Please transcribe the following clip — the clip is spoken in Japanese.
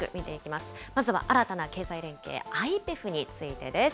まずは新たな経済連携、ＩＰＥＦについてです。